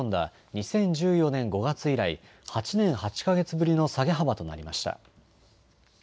２０１４年５月以来８年８か月ぶりの下げ幅となりました。